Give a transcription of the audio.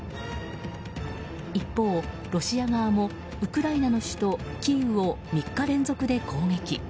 一方、ロシア側もウクライナの首都キーウを３日連続で攻撃。